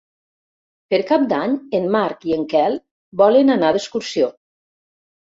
Per Cap d'Any en Marc i en Quel volen anar d'excursió.